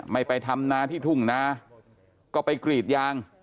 ไม่ไปทำนาที่ทุ่งนาก็ไปกรีดยาง